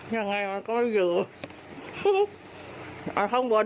ยังไงมันก็ไม่อยู่ข้างบน